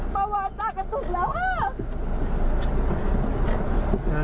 ประวันตากระจุดแล้วอะ